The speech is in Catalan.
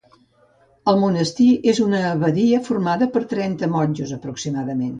El monestir és una abadia formada per trenta monjos aproximadament.